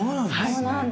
そうなんだ。